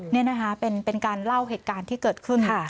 นี่นะคะเป็นการเล่าเหตุการณ์ที่เกิดขึ้นค่ะ